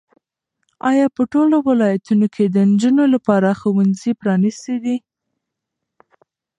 ایا په ټولو ولایتونو کې د نجونو لپاره ښوونځي پرانیستي دي؟